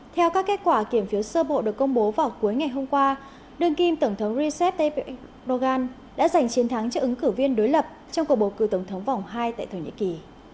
theo các kết quả kiểm phiếu sơ bộ được công bố vào cuối ngày hôm qua đương kim tổng thống recep tay erdogan đã giành chiến thắng cho ứng cử viên đối lập trong cuộc bầu cử tổng thống vòng hai tại thổ nhĩ kỳ